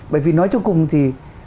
bởi vì nói cho cùng thì